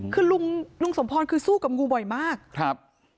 คือลุงลุงสมพรคือสู้กับงูบ่อยมากครับ